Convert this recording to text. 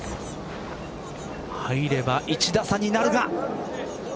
入れば１打差になるが。